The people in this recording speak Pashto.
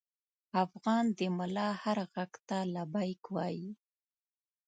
افغان د ملا هر غږ ته لبیک وايي.